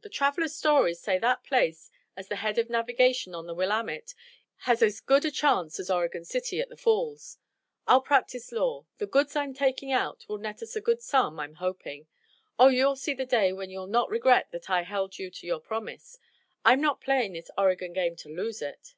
"The travelers' stories say that place, at the head of navigation on the Willamette, has as good a chance as Oregon City, at the Falls. I'll practice law. The goods I am taking out will net us a good sum, I'm hoping. Oh, you'll see the day when you'll not regret that I held you to your promise! I'm not playing this Oregon game to lose it."